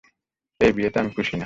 এই বিয়েতেই আমি খুশি না।